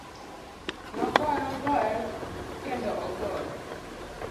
Nogoye, ogoye kendo ogoye.